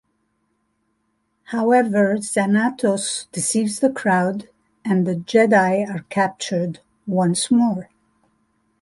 However, Xanatos deceives the crowd and the Jedi are captured once more.